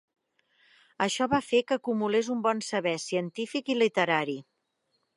Això va fer que acumulés un bon saber científic i literari.